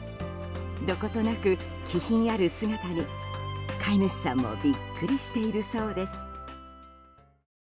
どことなく気品ある姿に飼い主さんもビックリしているそうです。